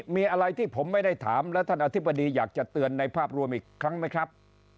มีอะไรที่ผมไม่ได้ถามและท่านอธิบดีอยากจะเตือนในภาพรวมอีกครั้งไหมครับ